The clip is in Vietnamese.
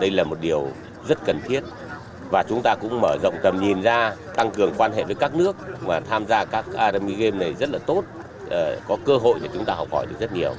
đây là một điều rất cần thiết và chúng ta cũng mở rộng tầm nhìn ra tăng cường quan hệ với các nước mà tham gia các army game này rất là tốt có cơ hội để chúng ta học hỏi được rất nhiều